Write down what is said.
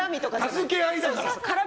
助け合いだから！